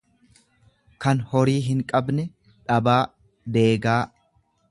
kan horii hinqabne, dhabaa, deegaa.